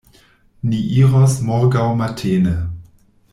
Ni iros morgaŭ matene.